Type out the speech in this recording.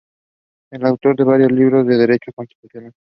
Es autor de varios libros de derecho constitucional.